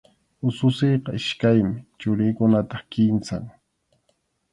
Ususiyqa iskaymi, churiykunataq kimsam.